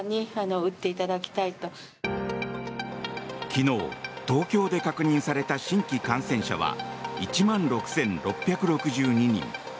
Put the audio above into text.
昨日、東京で確認された新規感染者は１万６６６２人。